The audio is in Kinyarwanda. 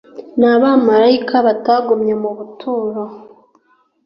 n abamarayika batagumye mu buturo